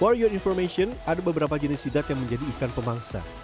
untuk informasi anda ada beberapa jenis sidap yang menjadi ikan pemangsa